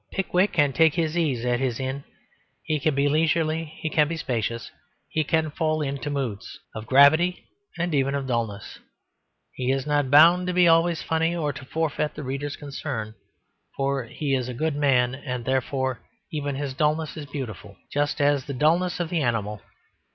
Pickwick can take his ease at his inn; he can be leisurely, he can be spacious; he can fall into moods of gravity and even of dulness; he is not bound to be always funny or to forfeit the reader's concern, for he is a good man, and therefore even his dulness is beautiful, just as is the dulness of the animal.